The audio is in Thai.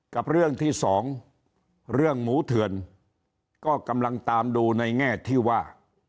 กับเรื่องที่สองเรื่องหมูเถื่อนก็กำลังตามดูในแง่ที่ว่า